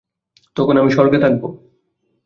তখন আমি স্বর্গে থাকবো।